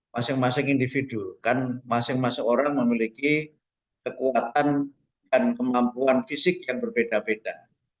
masing masing individu kan masing masing orang memiliki kekuatan dan kemampuan fisik yang berbeda beda